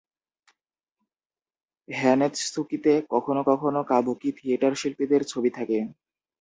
হ্যানেৎসুকিতে কখনও কখনও কাবুকি থিয়েটার শিল্পীদের ছবি থাকে।